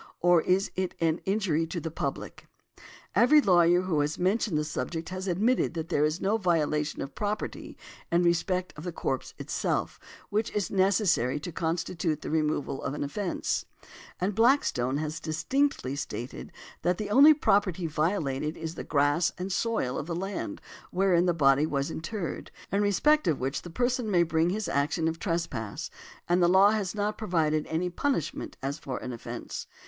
Or is it an injury to the public? Every lawyer who has mentioned the subject has admitted that there is no violation of property in respect of the corpse itself, which is necessary to constitute the removal an offence; and Blackstone has distinctly stated that the only property violated is the grass and soil of the land wherein the body was interred, in respect of which the person may bring his action of trespass, and the law has not provided any punishment as for an offence.